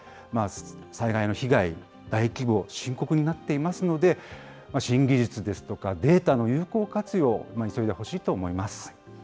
災害の被害、大規模、深刻になっていますので、新技術ですとか、データの有効活用、急いでほしいと思います。